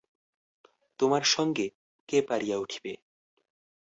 তোমার সঙ্গে কে পারিয়া উঠিবে।